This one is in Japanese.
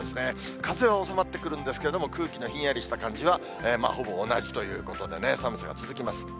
風は収まってくるんですけれども、空気のひんやりした感じはほぼ同じということでね、寒さが続きます。